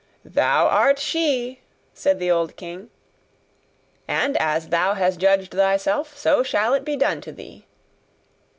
'Thou art she!' said the old king; 'and as thou has judged thyself, so shall it be done to thee.